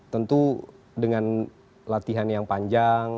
tentu dengan latihan yang panjang